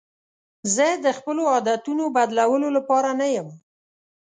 زه د خپلو عادتونو بدلولو لپاره نه یم.